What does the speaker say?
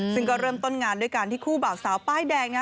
ซึ่งก็เริ่มต้นงานด้วยการที่คู่บ่าวสาวป้ายแดงนะ